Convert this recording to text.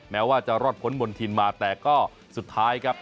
แม้ว่าจะรอดพ้นมณฑินมาแต่ก็สุดท้ายครับ